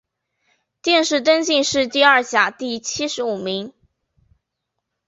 殿试登进士第二甲第七十五名。